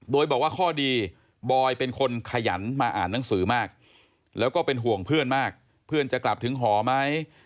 โดยบอกว่าข้อดีบอยเป็นคนขยันมาอ่านหนังสือมากแล้วก็เป็นห่วงเพื่อนมากเพื่อนจะกลับถึงหอไหม